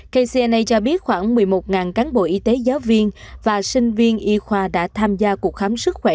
kcna cho biết khoảng một mươi một cán bộ y tế giáo viên và sinh viên y khoa đã tham gia cuộc khám sức khỏe